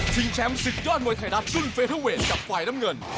แชมป์ศึกยอดมวยไทยรัฐรุ่นเฟเทอร์เวทกับฝ่ายน้ำเงิน